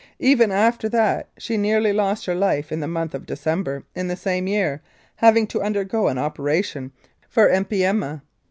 Even after that she nearly lost her life in the month of Decem ber in the same year, having to undergo an operation for empyema.